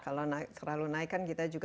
kalau terlalu naik kan kita juga